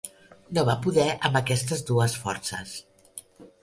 No va poder amb aquestes dues forces.